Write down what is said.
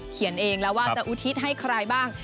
เขียนเองแล้วว่าจะอุทิศให้ใครบ้าง